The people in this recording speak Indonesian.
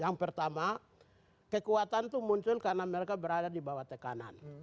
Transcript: yang pertama kekuatan itu muncul karena mereka berada di bawah tekanan